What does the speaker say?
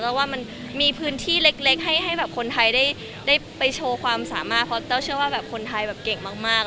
แล้วว่ามันมีพื้นที่เล็กให้แบบคนไทยได้ไปโชว์ความสามารถเพราะแต้วเชื่อว่าแบบคนไทยแบบเก่งมาก